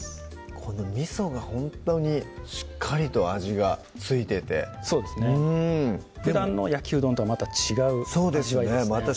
このみそがほんとにしっかりと味が付いててそうですねふだんの焼きうどんとはまた違う味わいですねまた